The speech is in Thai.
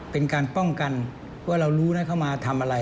เป็นการป้องกันว่าเรารู้นะเขามาทำอะไร